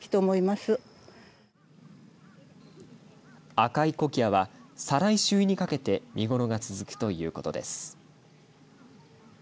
赤いコキアは再来週にかけて見頃が続くということです。